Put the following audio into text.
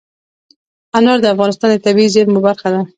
انار د افغانستان د طبیعي زیرمو برخه ده.